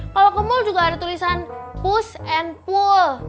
kalau kemul juga ada tulisan push and pull